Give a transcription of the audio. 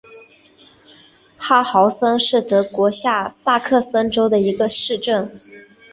哈豪森是德国下萨克森州的一个市镇。